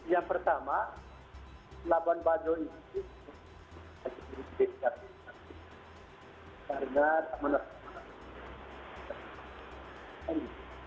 yang pertama labuan bado ini masih diberikan